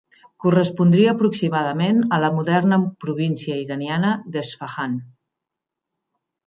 Correspondria aproximadament a la moderna província iraniana d'Esfahan.